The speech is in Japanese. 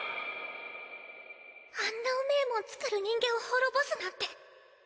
あんなうめぇもん作る人間を滅ぼすなんて。